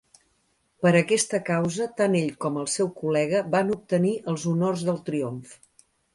Per aquesta causa tant ell com el seu col·lega van obtenir els honors del triomf.